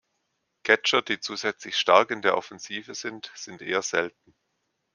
Catcher, die zusätzlich stark in der Offensive sind, sind eher selten.